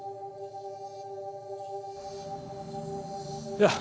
やあ。